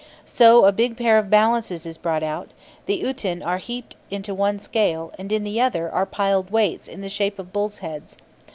So a big pair of balances is brought out; the "uten" are heaped into one scale, and in the other are piled weights in the shape of bulls' heads.